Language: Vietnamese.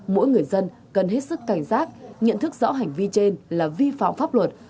mỗi người dân cần hết sức cảnh giác nhận thức rõ hành vi trên là vi phạm pháp luật